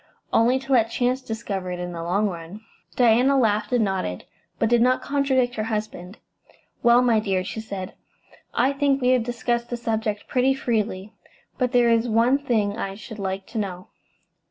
"Only to let chance discover it in the long run." Diana laughed and nodded, but did not contradict her husband. "Well, my dear," she said, "I think we have discussed the subject pretty freely, but there is one thing I should like to know.